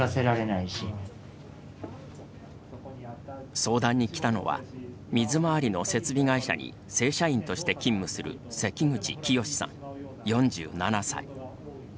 相談にきたのは水回りの設備会社に正社員として勤務する関口清さん、４７歳。